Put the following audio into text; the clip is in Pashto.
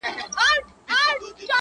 • سلماني یې زه دي وینمه ژوندی یې -